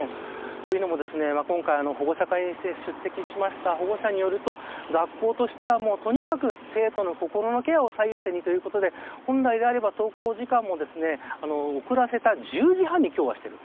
というのも今回保護者会に出席した保護者によると学校としては、とにかく生徒の心のケアを最優先にということで、本来なら登校時間も遅らせた１０時半にしている。